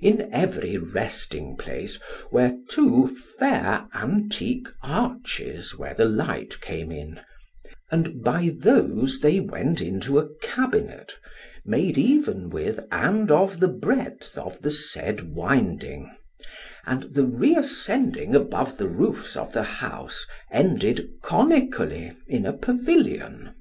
In every resting place were two fair antique arches where the light came in: and by those they went into a cabinet, made even with and of the breadth of the said winding, and the reascending above the roofs of the house ended conically in a pavilion.